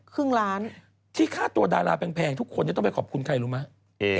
ครึ่งล้านที่ค่าตัวดาราแพงทุกคนจะต้องไปขอบคุณใครรู้ไหม